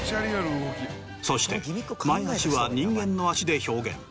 そして前足は人間の足で表現。